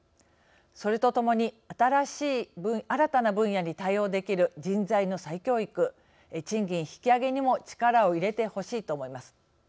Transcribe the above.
それとともに、新たな分野に対応できる人材の再教育賃金引き上げにも力を入れてほしいと思います。